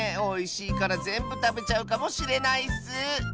おいしいからぜんぶたべちゃうかもしれないッス。